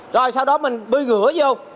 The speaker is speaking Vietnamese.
rồi sau đó mình bơi ngựa vô